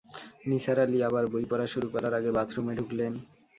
নিসার আলি আবার বই পড়া শুরু করার আগে বাথরুমে ঢুকলেন।